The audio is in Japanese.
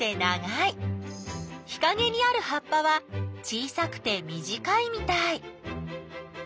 日かげにある葉っぱは小さくて短いみたい。